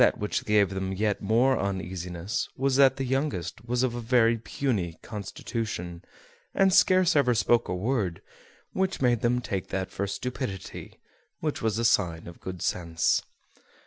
That which gave them yet more uneasiness was that the youngest was of a very puny constitution, and scarce ever spoke a word, which made them take that for stupidity which was a sign of good sense.